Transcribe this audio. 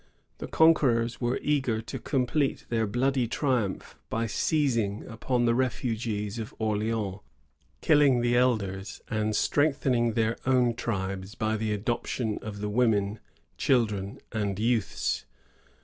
^ The conquerors were eager to complete their bloody triumph by seizing upon the refugees of Orleans, killing the elders, and strengthening their own tribes by the adoption of the women, children, and youths.